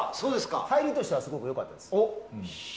入りとしてはすごく良かったです。